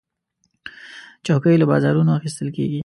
چوکۍ له بازارونو اخیستل کېږي.